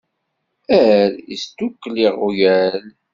"Err!" isdukkel iɣwyal.